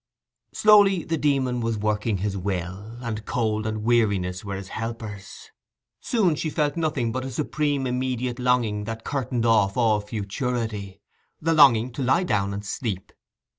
Slowly the demon was working his will, and cold and weariness were his helpers. Soon she felt nothing but a supreme immediate longing that curtained off all futurity—the longing to lie down and sleep.